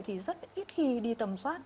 thì rất ít khi đi tầm soát